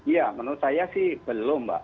ya menurut saya sih belum mbak